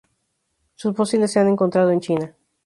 Sus fósiles se han encontrado en China.